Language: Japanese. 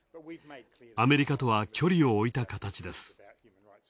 アメリカとは距離を置いた形です。